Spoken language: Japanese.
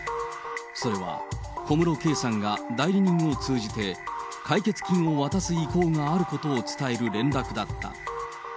それは小室圭さんが代理人を通じて、解決金を渡す意向があることを伝える連絡だった。